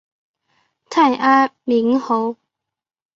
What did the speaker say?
太安明侯